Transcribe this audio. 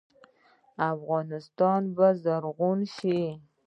افغانستان به زرغون شي؟